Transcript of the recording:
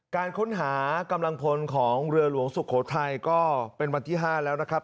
การค้นหากำลังพลของเรือหลวงสุโขทัยก็เป็นวันที่๕แล้วนะครับ